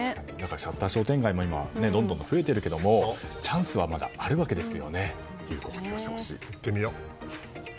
シャッター商店街もどんどん増えているけどチャンスはまだあるわけですね。